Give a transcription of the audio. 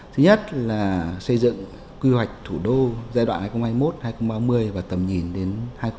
thứ nhất là xây dựng quy hoạch thủ đô giai đoạn hai nghìn hai mươi một hai nghìn ba mươi và tầm nhìn đến hai nghìn năm mươi